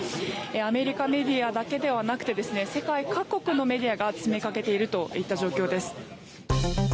アメリカメディアだけではなくて世界各国のメディアが詰めかけているといった状況です。